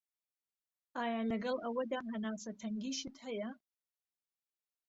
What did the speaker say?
ئایا لەگەڵ ئەوەدا هەناسه تەنگیشت هەیە؟